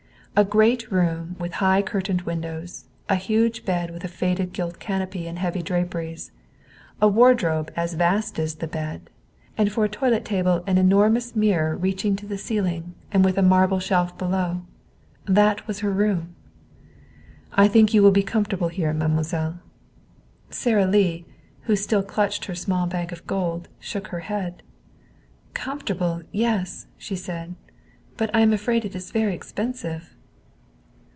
A great room with high curtained windows; a huge bed with a faded gilt canopy and heavy draperies; a wardrobe as vast as the bed; and for a toilet table an enormous mirror reaching to the ceiling and with a marble shelf below that was her room. "I think you will be comfortable here, mademoiselle." Sara Lee, who still clutched her small bag of gold, shook her head. "Comfortable, yes," she said. "But I am afraid it is very expensive."